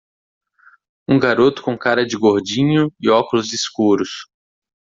Um garoto com cara de gordinho e óculos escuros.